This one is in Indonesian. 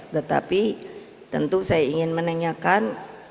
tetapi tentu saya ingin menanyakan